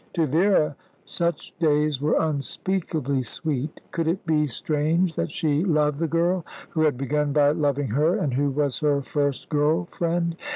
To Vera such days were unspeakably sweet. Could it be strange that she loved the girl who had begun by loving her, and who was her first girl friend?